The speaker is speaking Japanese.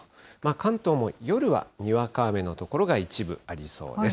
関東も夜はにわか雨の所が一部ありそうです。